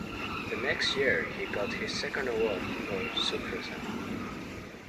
The next year he got his second award for "Sukrutham".